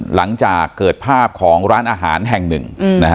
หลังจากเกิดภาพของร้านอาหารแห่งหนึ่ง